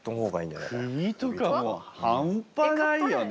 首とかもう半端ないよね！